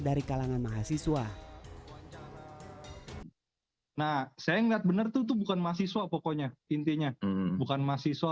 dari kalangan mahasiswa nah saya enggak bener tuh bukan mahasiswa pokoknya intinya bukan mahasiswa